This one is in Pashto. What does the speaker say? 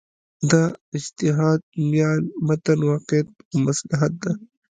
دا اجتهاد میان متن واقعیت و مصلحت ده.